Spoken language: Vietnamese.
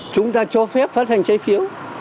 chúng ta cho phép phát hành trái phiếu